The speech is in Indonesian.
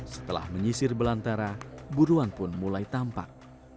setelah menyisir belantara buruan pun mulai tampak